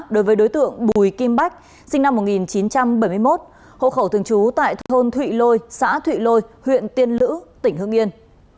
đối với đối tượng bùi kim bách sinh năm một nghìn chín trăm bảy mươi một hộ khẩu thường trú tại thôn thụy lôi xã thụy lôi huyện tiên lữ tỉnh hương yên